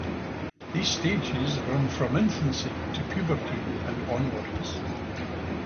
These stages run from infancy to puberty and onwards.